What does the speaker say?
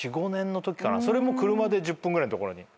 それも車で１０分ぐらいのところに。